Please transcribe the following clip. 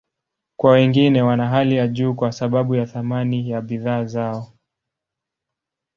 Kwa wengine, wana hali ya juu kwa sababu ya thamani ya bidhaa zao.